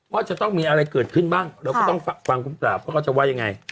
ว่าจะต้องมีอะไรเกิดขึ้นบ้างเราก็ต้องฟังคุณปราบว่าเขาจะว่ายังไง